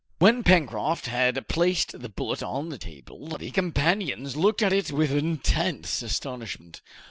When Pencroft had placed the bullet on the table, his companions looked at it with intense astonishment.